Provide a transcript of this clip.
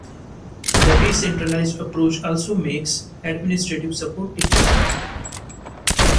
The decentralized approach also makes administrative support difficult.